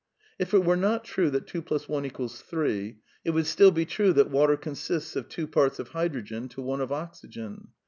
If it were not true that 2 f 1 = 3, it would still be true that water consists of two parts of hydrogen to one of oxygen.